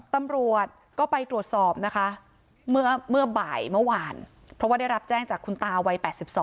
ตำรวจก็ไปตรวจสอบนะคะเมื่อบ่ายเมื่อวานเพราะว่าได้รับแจ้งจากคุณตาวัย๘๒